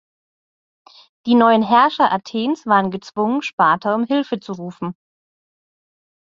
Die neuen Herrscher Athens waren gezwungen, Sparta um Hilfe zu rufen.